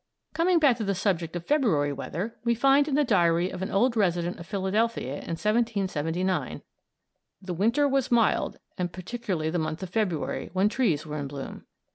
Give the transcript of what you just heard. Coming back to the subject of February weather, we find in the diary of an old resident of Philadelphia in 1779: "The Winter was mild, and particularly the month of February, when trees were in bloom."